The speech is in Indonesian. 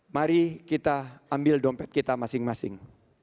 mari kita ambil dompet kita masing masing